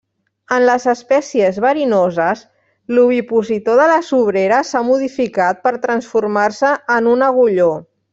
En les espècies verinoses, l'ovipositor de les obreres s'ha modificat per transformar-se en un agulló.